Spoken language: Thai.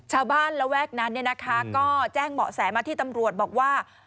ระแวกนั้นเนี่ยนะคะก็แจ้งเบาะแสมาที่ตำรวจบอกว่า